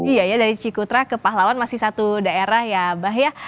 iya ya dari cikutra ke pahlawan masih satu daerah ya abah ya